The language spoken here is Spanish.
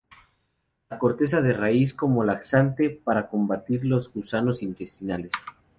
La corteza de raíz como laxante y para combatir los gusanos intestinales.